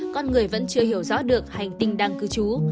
con người vẫn chưa hiểu rõ được hành tinh đang cư trú